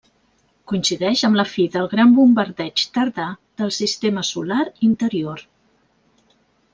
Coincideix amb la fi del gran bombardeig tardà del sistema solar interior.